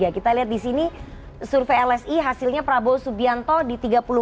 kita lihat di sini survei lsi hasilnya prabowo subianto di tiga puluh empat